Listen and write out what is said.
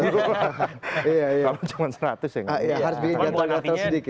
kalau cuma seratus ya nggak